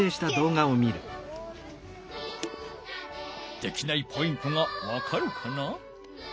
できないポイントがわかるかな？